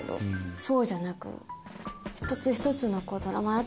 そうじゃなく。